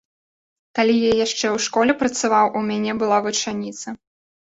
Калі я яшчэ ў школе працаваў, у мяне была вучаніца.